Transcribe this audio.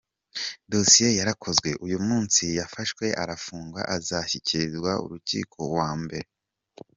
Dosiye yarakozwe , uyu munsi yafashwe arafungwa azashyikirizwa urukiko ku wa Mbere.”